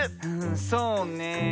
そうねえ。